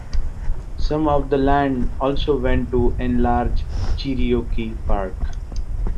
Some of the land also went to enlarge Cherokee Park.